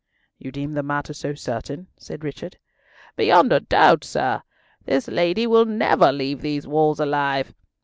"You deem the matter so certain?" said Richard. "Beyond a doubt, sir. This lady will never leave these walls alive.